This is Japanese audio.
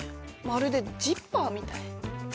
まるでジッパーみたい。